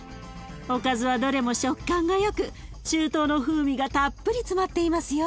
おかずはどれも食感がよく中東の風味がたっぷり詰まっていますよ。